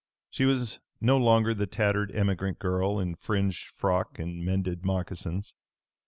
She was no longer the tattered emigrant girl in fringed frock and mended moccasins.